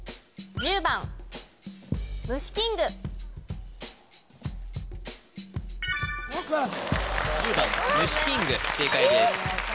１０番ムシキング正解です